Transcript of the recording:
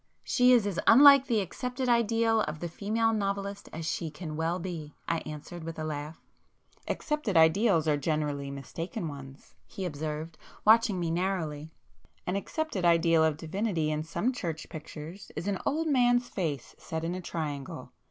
"She is as unlike the accepted ideal of the female novelist as she can well be," I answered, with a laugh. "Accepted ideals are generally mistaken ones,"—he observed, watching me narrowly—"An accepted ideal of Divinity in some church pictures is an old man's face set in a triangle.